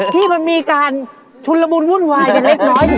ที่มันมีการชุนละมุนวุ่นวายกันเล็กน้อย